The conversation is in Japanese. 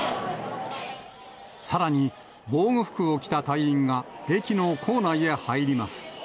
さらに、防護服を着た隊員が駅の構内へ入ります。